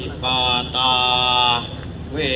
อธินาธาเวระมะนิสิขาปะทังสมาธิยามี